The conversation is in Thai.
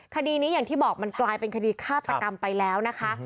คดีนี้อย่างที่บอกมันกลายเป็นคดีฆาตกรรมไปแล้วนะคะ